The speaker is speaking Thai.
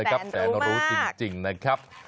แสนรู้จริงนะครับ